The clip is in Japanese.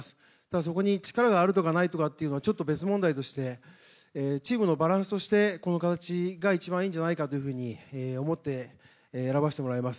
そこに力があるとかないとかは別問題としてチームのバランスとしてこの形が一番いいんじゃないかというふうに思って選ばせてもらいます。